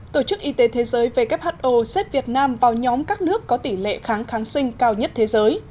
tổ chức y tế thế giới who xếp việt nam vào nhóm các nước có tỷ lệ kháng kháng sinh cao nhất thế giới